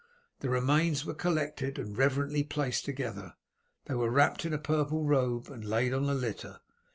The remains were collected and reverently placed together. They were wrapped in a purple robe, and laid on a litter.